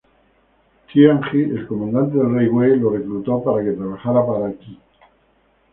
Tian Ji el comandante del rey Wei lo reclutó para que trabajara para Qi.